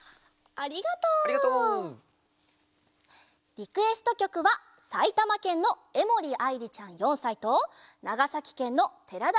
リクエストきょくはさいたまけんのえもりあいりちゃん４さいとながさきけんのてらだ